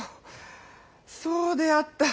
そうであった！